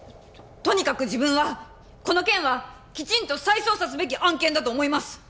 とにかく自分はこの件はきちんと再捜査すべき案件だと思います！